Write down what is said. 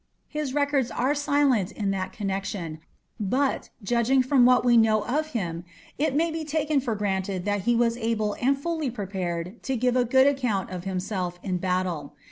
His records are silent in that connection, but, judging from what we know of him, it may be taken for granted that he was able and fully prepared to give a good account of himself in battle.